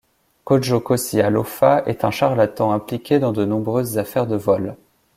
Codjo Cossi Alofa est un charlatan impliqué dans de nombreuses affaires de vol.